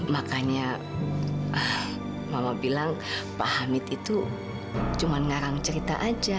makanya mama bilang pak hamid itu cuma ngarang cerita aja